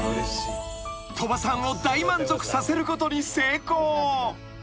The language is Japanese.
［鳥羽さんを大満足させることに成功］